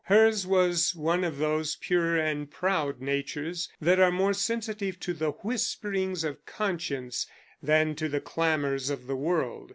Hers was one of those pure and proud natures that are more sensitive to the whisperings of conscience than to the clamors of the world.